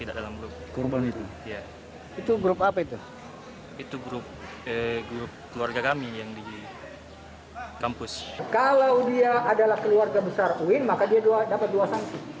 kalau dia adalah keluarga besar uin maka dia dapat dua sanksi